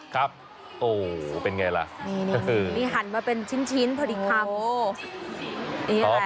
ครับโอ้เป็นไงล่ะนี่หันมาเป็นชิ้นเพราะอีกครั้ง